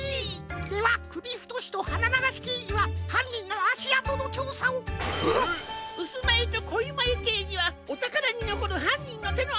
ではくびふとしとはなながしけいじははんにんのあしあとのちょうさを！えっ！うすまゆとこいまゆけいじはおたからにのこるはんにんのてのあとを！